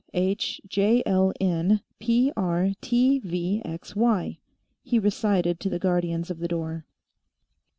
"B, D, F, H, J, L, N, P, R, T, V, X, Y," he recited to the guardians of the door.